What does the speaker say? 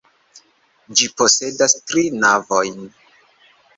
Ĝi posedas tri navojn.